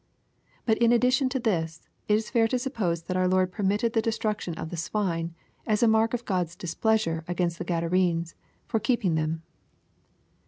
But in addition to this, it is fair to suppose that our Lord permitted the destruction of the swine, as a mark of God's displeasure against the Gudarenes for keeping them.